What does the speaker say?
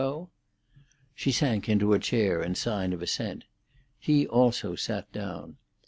go?" She sank into a chair in sign of assent. He also sat down.